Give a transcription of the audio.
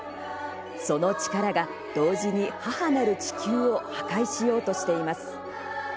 その力が、同時に母なる地球を破壊しようとしています。